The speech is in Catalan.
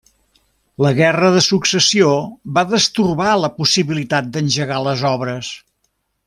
La Guerra de Successió va destorbar la possibilitat d'engegar les obres.